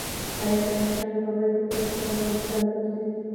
آیا د مشرانو خبرې په پټه خوله اوریدل ادب نه دی؟